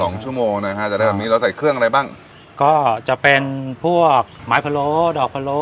สองชั่วโมงนะฮะจะได้แบบนี้เราใส่เครื่องอะไรบ้างก็จะเป็นพวกไม้พะโล้ดอกพะโล้